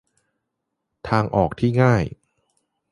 ทางออกที่ง่าย